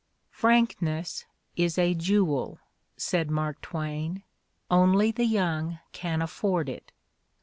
"Frankness is a jewel," said Mark Twain; "only the young can afford it."